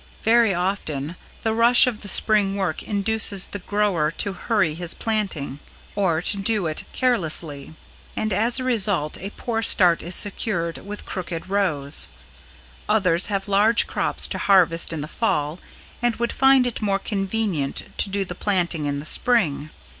Very often the rush of the Spring work induces the grower to hurry his planting, or to do it carelessly; and as a result a poor start is secured, with crooked rows. Others have large crops to harvest in the Fall and would find it more convenient to do the planting in the Spring.